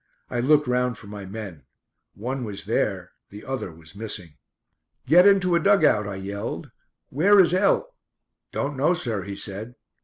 I looked round for my men. One was there; the other was missing. "Get into a dug out," I yelled. "Where is L ?" "Don't know, sir," he said.